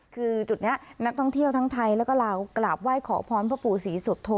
คือจุดนี้นักท่องเที่ยวทั้งไทยแล้วก็ลาวกราบไหว้ขอพรพ่อปู่ศรีสุโธ